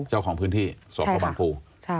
เจ้าของพื้นที่สพบังภู